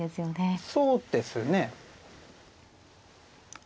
そうですね。